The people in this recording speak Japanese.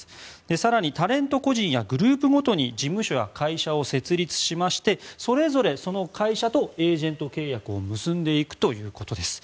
更にタレント個人やグループごとに事務所や会社を設立しましてそれぞれ、その会社とエージェント契約を結んでいくということです。